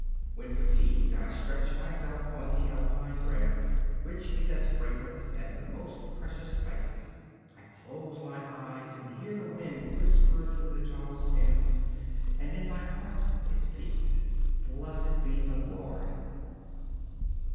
When fatigued, I stretch myself on the Alpine grass, which is as fragrant as the most precious spices. I close my eyes and hear the wind whisper through the tall stems, and in my heart is peace. Blessed be the Lord!